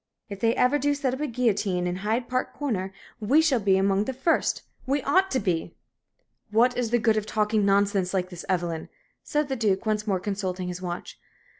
If they ever do set up the guillotine at Hyde Park Corner, we shall be among the first we ought to be!" "What is the good of talking nonsense like this, Evelyn?" said the Duke, once more consulting his watch.